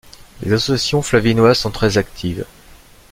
Les associations flavinoises sont très actives.